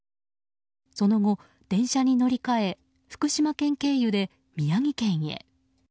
その後、電車に乗り換え福島県経由で宮城県へ。